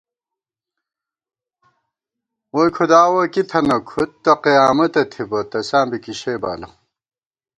ووئی کھُداوَہ کی تھنہ کھُدتہ قیامَتہ تھِبہ، تساں بی کِشَئ بالہ